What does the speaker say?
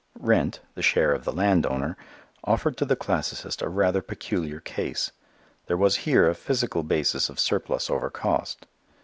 Rent, the share of the land owner, offered to the classicist a rather peculiar case. There was here a physical basis of surplus over cost.